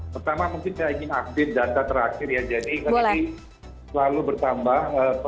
pertama mungkin saya ingin update data terakhir ya jadi selalu bertambah